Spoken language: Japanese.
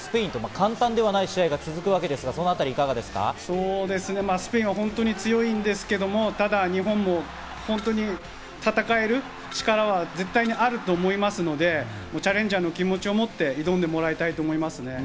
簡単ではない試合が続きますが、スペインは本当に強いんですけど、日本も戦える力は絶対にあると思いますので、チャレンジャーの気持ちを持って挑んでもらいたいと思いますね。